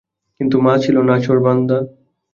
কিন্তু মা ছিল নাছোড়বান্দা।